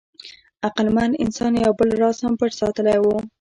عقلمن انسان یو بل راز هم پټ ساتلی و.